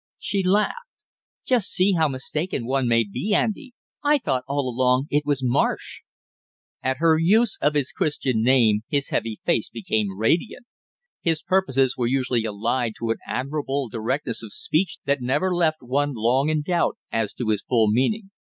She laughed. "Just see how mistaken one may be, Andy; I thought all along it was Marsh!" At her use of his Christian name his heavy face became radiant. His purposes were usually allied to an admirable directness of speech that never left one long in doubt as to his full meaning.